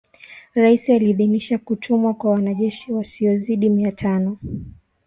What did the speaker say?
Rais aliidhinisha kutumwa kwa wanajeshi wasiozidi mia tano